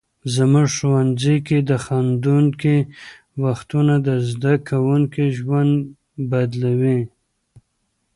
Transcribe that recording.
زموږ ښوونځي کې خندونکي وختونه د زده کوونکو ژوند بدلوي.